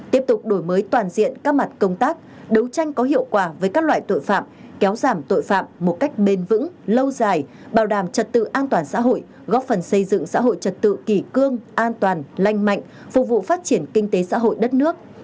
tiếp tục đổi mới toàn diện các mặt công tác đấu tranh có hiệu quả với các loại tội phạm kéo giảm tội phạm một cách bền vững lâu dài bảo đảm trật tự an toàn xã hội góp phần xây dựng xã hội trật tự kỷ cương an toàn lành mạnh phục vụ phát triển kinh tế xã hội đất nước